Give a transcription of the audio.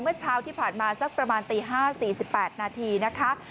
เมื่อเช้าที่ผ่านมาสักประมาณตี๕๔๘นาทีนะคะ